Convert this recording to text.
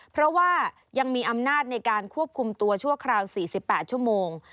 เพราะว่ายังมีอำนาจในการควบคุมตัวชั่วคราว๔๘ชั่วโมง